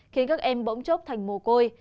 khiến các em bỗng chốc thành mồ côi